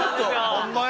ホンマや！